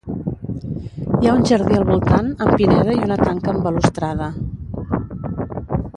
Hi ha un jardí al voltant amb pineda i una tanca amb balustrada.